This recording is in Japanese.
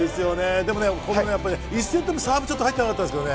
でも１セット目、サーブが入ってなかったですけどね